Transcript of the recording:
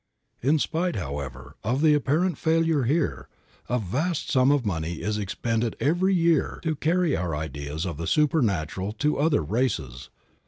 In spite, however, of the apparent failure here, a vast sum of money is expended every year to carry our ideas of the supernatural to other races.